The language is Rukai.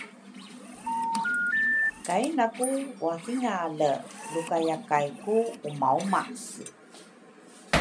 kainaku wathiange luka yakay ku umaumase.